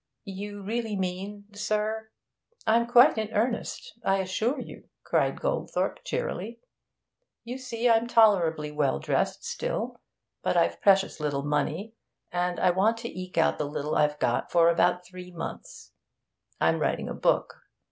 You really mean, sir ?' 'I'm quite in earnest, I assure you,' cried Goldthorpe cheerily. 'You see I'm tolerably well dressed still, but I've precious little money, and I want to eke out the little I've got for about three months. I'm writing a book.